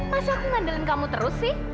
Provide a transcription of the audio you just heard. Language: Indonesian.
masa aku mandelin kamu terus sih